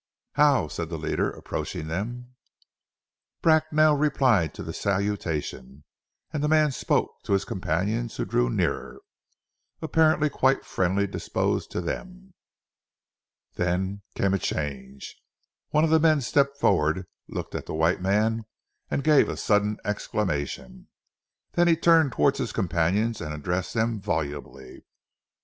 "How!" said the leader, approaching them. Bracknell replied to the salutation, and the man spoke to his companions who drew nearer, apparently quite friendly disposed to them. Then came a change. One of the men stepped forward, looked at the white man, and gave a sudden exclamation. Then he turned towards his companions and addressed them volubly.